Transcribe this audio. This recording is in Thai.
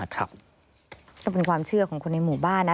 ก็เป็นความเชื่อของคนในหมู่บ้านนะ